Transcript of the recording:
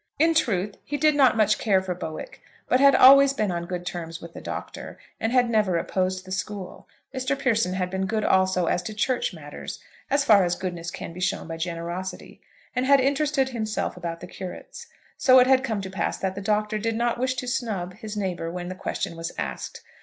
In truth, he did not much care for Bowick, but had always been on good terms with the Doctor, and had never opposed the school. Mr. Pearson had been good also as to Church matters, as far as goodness can be shown by generosity, and had interested himself about the curates. So it had come to pass that the Doctor did not wish to snub his neighbour when the question was asked.